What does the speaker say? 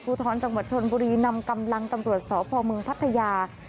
ทรจังหวัดชนบุรีนำกำลังตำรวจสพเมืองพัทยา